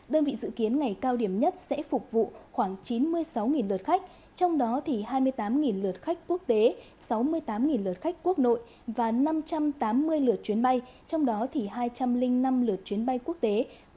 đơn vị dự kiến ngày cao điểm nhất sẽ phục vụ khoảng chín mươi sáu lượt khách trong đó hai mươi tám lượt khách quốc tế sáu mươi tám lượt khách quốc nội và năm trăm tám mươi lượt chuyến bay trong đó hai trăm linh năm lượt chuyến bay quốc tế